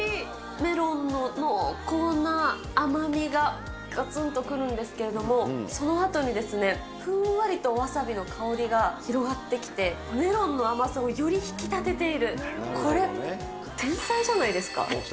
メロンの濃厚な甘みががつんと来るんですけれども、そのあとに、ふんわりとワサビの香りが広がってきて、メロンの甘さをより引き立てている、これ、天才じゃないですか。